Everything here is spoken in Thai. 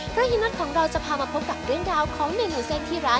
เพราะเฮียน็อตของเราจะพามาพบกับเรื่องราวของเมนูเส้นที่ร้าน